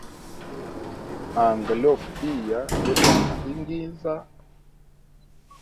Anga liofa biya, lyotana iginza.